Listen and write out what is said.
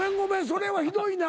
それはひどいな。